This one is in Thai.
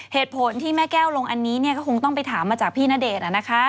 เหตุผลที่แม่แก้วลงอันนี้ก็คงต้องไปถามมาจากพี่ณเดชน์